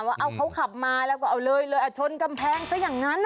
ว่าเอาเขาขับมาแล้วก็เอาเลยเลยชนกำแพงซะอย่างนั้น